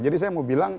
jadi saya mau bilang